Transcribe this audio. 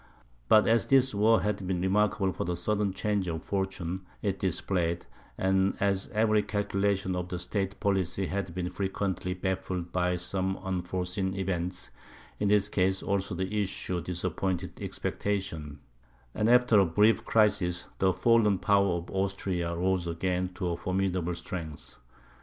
But as this war had been remarkable for the sudden changes of fortune it displayed; and as every calculation of state policy had been frequently baffled by some unforeseen event, in this case also the issue disappointed expectation; and after a brief crisis, the fallen power of Austria rose again to a formidable strength.